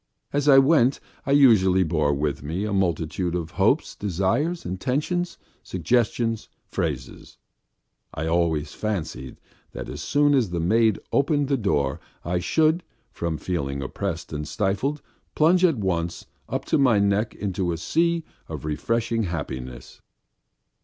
As I went I usually bore within me a multitude of hopes, desires, intentions, suggestions, phrases. I always fancied that as soon as the maid opened the door I should, from feeling oppressed and stifled, plunge at once up to my neck into a sea of refreshing happiness.